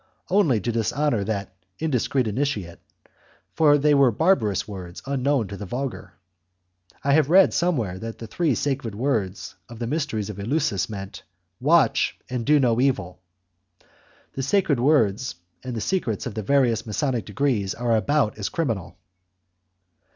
Only to dishonour the indiscreet initiate, for they were barbarous words unknown to the vulgar. I have read somewhere that the three sacred words of the mysteries of Eleusis meant: Watch, and do no evil. The sacred words and the secrets of the various masonic degrees are about as criminal.